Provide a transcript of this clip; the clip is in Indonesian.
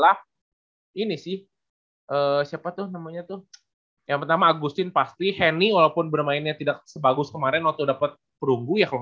harusnya sih bisa justru